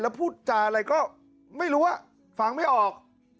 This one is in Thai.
แล้วพูดจ่ายอะไรก็ไม่รู้อะฟังไม่ออก